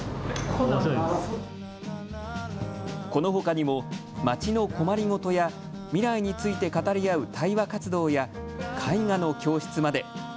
このほかにも町の困りごとや未来について語り合う対話活動や絵画の教室まで。